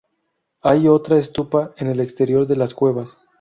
Hay otra estupa en el exterior de las cuevas.